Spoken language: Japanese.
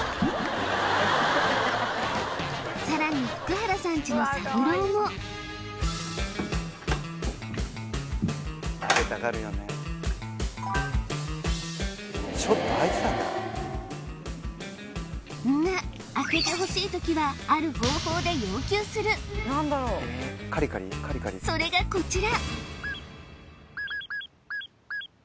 さらに福原さんちのサブローもんが開けてほしい時はある方法で要求するそれがこちら！